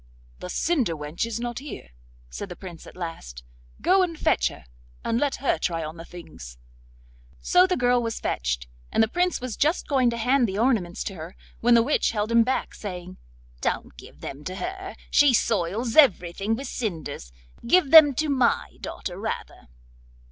'The cinder wench is not here,' said the Prince at last; 'go and fetch her, and let her try on the things.' So the girl was fetched, and the Prince was just going to hand the ornaments to her, when the witch held him back, saying: 'Don't give them to her; she soils everything with cinders; give them to my daughter rather.